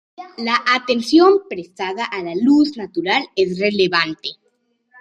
La atención prestada a la luz natural es relevante.